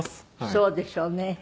そうでしょうね。